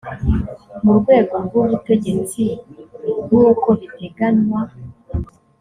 mu rwego rw ubutegetsi nk uko biteganywa